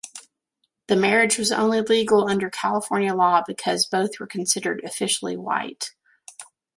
The marriage was only legal under California law because both were considered officially white.